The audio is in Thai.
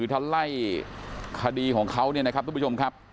ทัวร์ไลขดีของเขานะครับทุกผู้ชมครับ